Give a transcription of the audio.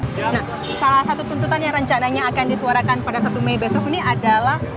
nah salah satu tuntutan yang rencananya akan disuarakan pada satu mei besok ini adalah